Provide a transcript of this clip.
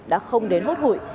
đã không đến hốt hụi